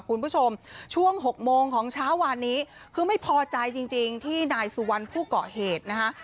คุณผู้ชมช่วงหกโมงของเช้าวานนี้คือไม่พอใจจริงจริงที่นายสุวรรณผู้เกาะเหตุนะคะ